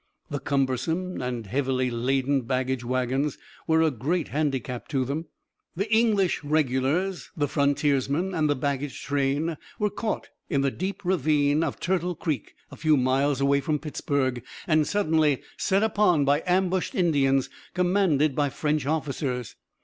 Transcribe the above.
The cumbersome and heavily laden baggage wagons were a great handicap to them. The English regulars, the frontiersmen, and the baggage train were caught in the deep ravine of Turtle Creek, a few miles away from Pittsburg, and suddenly set upon by ambushed Indians commanded by French officers.